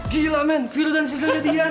gila men viro dan sisanya dihian